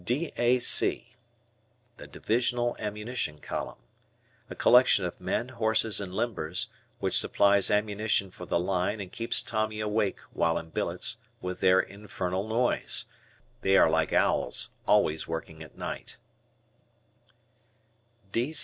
D D.A.C. Divisional Ammunition Column. A collection of men, horses, and limbers, which supplies ammunition for the line and keeps Tommy awake, while in billets, with their infernal noise. They are like owls always working at night.